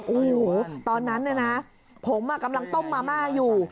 โอ้โหตอนนั้นเนี่ยนะผมกำลังต้มมาม่าอยู่